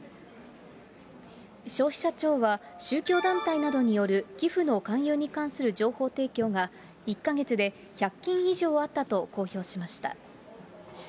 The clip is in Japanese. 消費者庁は宗教団体などによる寄付の勧誘に関する情報提供が１か月で１００件以上あったと公表しました。